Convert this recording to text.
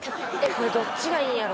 これどっちがいいんやろ？